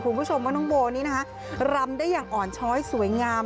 คุณผู้ชมว่าน้องโบนี้นะคะรำได้อย่างอ่อนช้อยสวยงาม